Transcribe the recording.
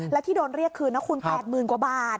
แล้วที่โดนเรียกคืนนะคุณ๘๐๐๐กว่าบาท